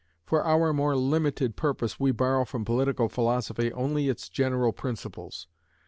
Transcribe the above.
For our more limited purpose we borrow from political philosophy only its general principles.